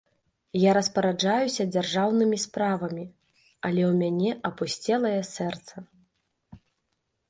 Я распараджаюся дзяржаўнымі справамі, але ў мяне апусцелае сэрца.